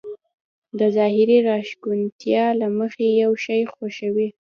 د ظاهري راښکونتيا له مخې يو شی خوښوي.